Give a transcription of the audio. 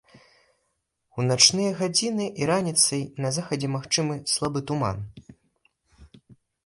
У начныя гадзіны і раніцай на захадзе магчымы слабы туман.